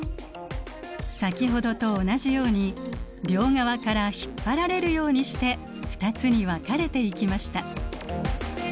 先ほどと同じように両側から引っ張られるようにして２つに分かれていきました。